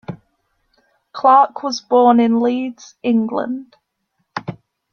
Clark was born in Leeds, England.